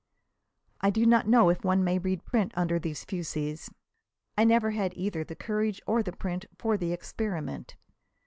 I do not know if one may read print under these fusées. I never had either the courage or the print for the experiment.